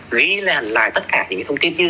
ghi lại tất cả những cái thông tin như